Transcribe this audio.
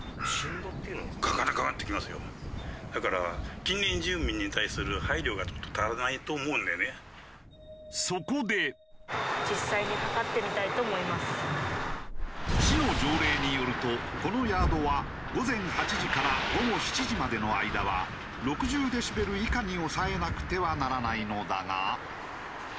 だから市の条例によるとこのヤードは午前８時から午後７時までの間は６０デシベル以下に抑えなくてはならないのだが。